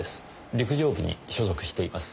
陸上部に所属しています。